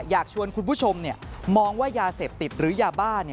อยากชวนคุณผู้ชมมองว่ายาเสพติดหรือยาบ้า